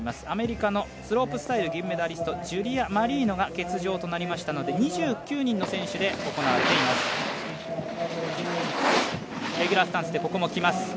アメリカのスロープスタイル銀メダリストのジュリア・マリーノが欠場となりましたので２９人の選手で行われています。